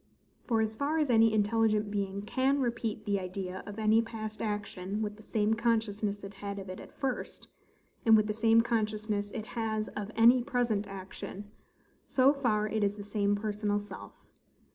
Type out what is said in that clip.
For as far as any intelligent being CAN repeat the idea of any past action with the same consciousness it had of it at first, and with the same consciousness it has of any present action; so far it is the same personal self.